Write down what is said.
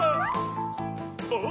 あっ！